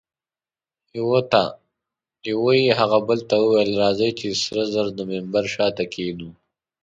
یوه یې هغه بل ته وویل: راځئ چي سره زر د منبر شاته کښېږدو.